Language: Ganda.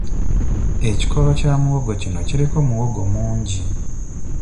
Ekikolo kya muwogo kino kiriko muwogo mungi.